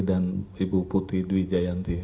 dan ibu putri dwi jayanti